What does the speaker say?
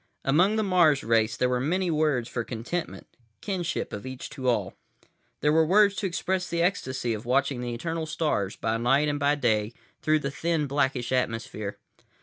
Among the Mars race there were many words for contentment, kinship of each to all. There were words to express the ecstasy of watching the eternal stars, by night and by day, through the thin blackish atmosphere.